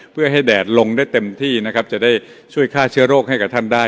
เพื่อให้แดดลงได้เต็มที่นะครับจะได้ช่วยฆ่าเชื้อโรคให้กับท่านได้